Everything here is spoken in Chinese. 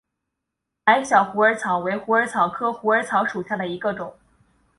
矮小虎耳草为虎耳草科虎耳草属下的一个种。